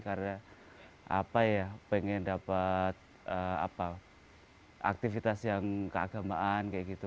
karena apa ya pengen dapat aktivitas yang keagamaan kayak gitu